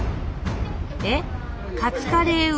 えっ⁉「カツカレーうどん丼」？